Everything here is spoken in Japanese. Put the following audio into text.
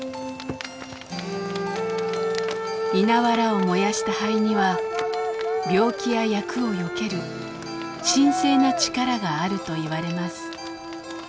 稲わらを燃やした灰には病気や厄をよける神聖な力があるといわれます。